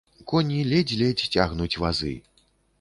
Коні ледзь-ледзь цягнуць вазы.